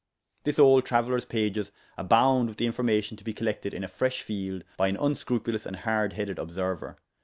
This old travellers pages abound with the information to be collected in a fresh field by an unscrupulous and hard headed observer.